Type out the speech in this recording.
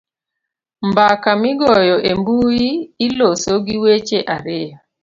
mbaka migoyo e mbui iloso gi weche ariyo